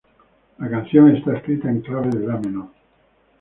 La canción está escrita en clave de la menor.